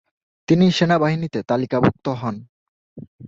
তিনি সেনাবাহিনীতে তালিকাভুক্ত হন।